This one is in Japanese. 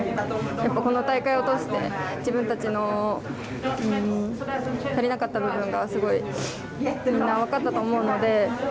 この大会を通して自分たちの足りなかった部分がみんな、分かったと思うので。